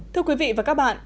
thưa quý vị và các bạn